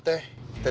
makasih baik baik teh